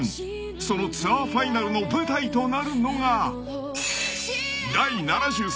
［そのツアーファイナルの舞台となるのが］